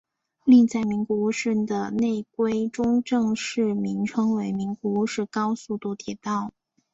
另在名古屋市的内规中正式名称为名古屋市高速度铁道。